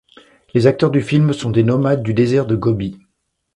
Les acteurs du film sont des nomades du désert de Gobi.